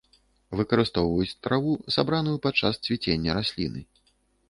Выкарыстоўваюць траву, сабраную падчас цвіцення расліны.